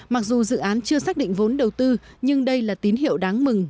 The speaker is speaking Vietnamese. mặc dù dự án chưa xác định vốn đầu tư nhưng đây là tín hiệu đáng mừng